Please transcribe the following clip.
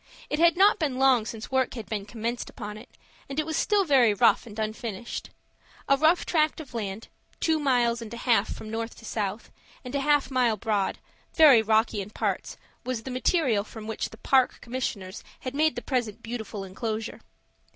It had not been long since work had been commenced upon it, and it was still very rough and unfinished. A rough tract of land, two miles and a half from north to south, and a half a mile broad, very rocky in parts, was the material from which the Park Commissioners have made the present beautiful enclosure.